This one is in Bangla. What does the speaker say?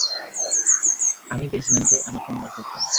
আমি বেজমেন্টে আমার হোমওয়ার্ক করতাম।